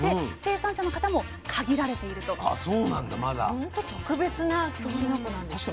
ほんと特別なきのこなんですね。